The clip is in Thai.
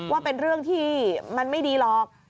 ว่าเป็นเรื่องที่มันไม่ดีหรอก